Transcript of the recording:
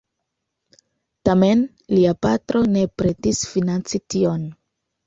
Tamen lia patro ne pretis financi tion.